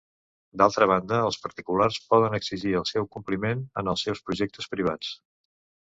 D'altra banda, els particulars poden exigir el seu compliment en els seus projectes privats.